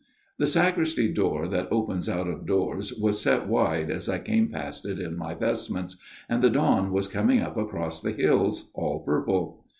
" The sacristy door that opens out of doors was set wide as I came past it in my vestments ; and the dawn was coming up across the hills, all purple."